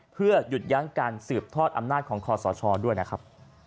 เพื่อหยุดยั้งการสืบทอดอำนาจของคอสชด้วยนะครับ